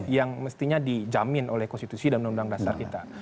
yang mestinya dijamin oleh konstitusi dan undang undang dasar kita